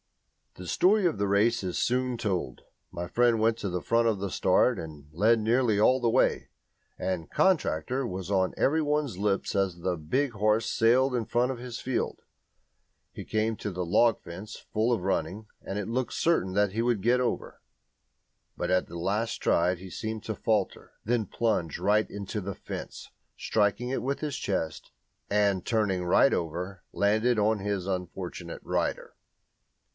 The story of the race is soon told. My friend went to the front at the start and led nearly all the way, and "Contractor!" was on every one's lips as the big horse sailed along in front of his field. He came at the log fence full of running, and it looked certain that he would get over. But at the last stride he seemed to falter, then plunged right into the fence, striking it with his chest, and, turning right over, landed on his unfortunate rider.